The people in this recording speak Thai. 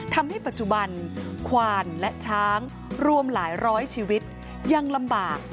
ทำให้ปัจจุบันควานและช้างรวมหลายร้อยชีวิตยังลำบาก